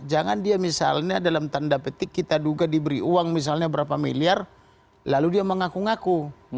jangan dia misalnya dalam tanda petik kita duga diberi uang misalnya berapa miliar lalu dia mengaku ngaku